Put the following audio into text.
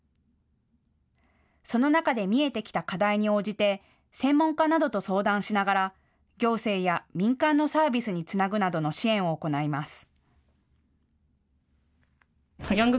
その中で見えてきた課題に応じて専門家などと相談しながら行政や民間のサービスにつなぐなどの支援を行います。